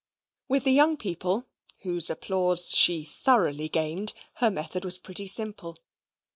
With the young people, whose applause she thoroughly gained, her method was pretty simple.